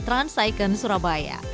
trans saiken surabaya